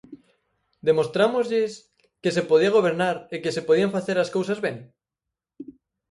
¿Demostrámoslles que se podía gobernar e que se podían facer as cousas ben?